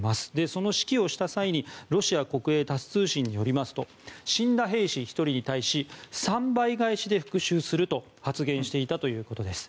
その指揮をした際にロシア国営タス通信によりますと死んだ兵士１人に対し３倍返しで復讐すると発言していたということです。